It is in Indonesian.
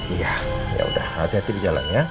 iya yaudah hati hati di jalan ya